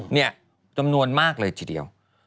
นี่จำนวนมากเลยเจี๋ยว